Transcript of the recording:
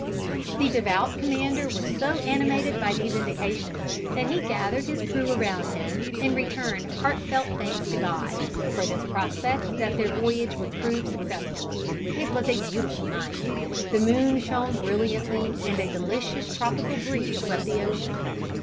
The devout commander was so animated by these indications, that he gathered his crew around him and returned heartfelt thanks to God, for this prospect that their voyage would prove successful. It was a beautiful night, the moon shone brilliantly and a delicious tropical breeze swept the ocean.